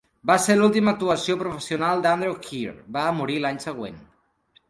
Va ser l'última actuació professional d'Andrew Keir; va morir l'any següent.